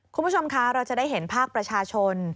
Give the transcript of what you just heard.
คุณผู้ชมคะเราจะได้เห็นภาคประชาชน